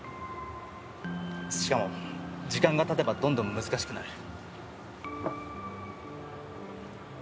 しかも時間が経てばどんどん難しくなる。